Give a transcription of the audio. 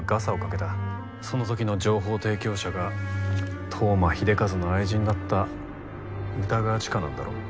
その時の情報提供者が当麻秀和の愛人だった歌川チカなんだろ？